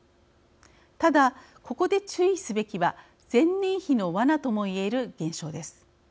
ただ、ここで注意すべきは前年比のわなとも言える現象です。